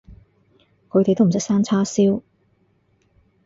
佢哋都唔識生叉燒